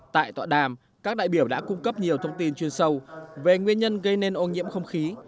tại tọa đàm các đại biểu đã cung cấp nhiều thông tin chuyên sâu về nguyên nhân gây nên ô nhiễm không khí